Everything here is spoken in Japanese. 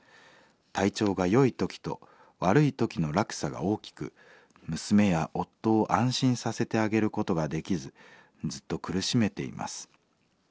体調が良い時と悪い時の落差が大きく娘や夫を安心させてあげることができずずっと苦しめています。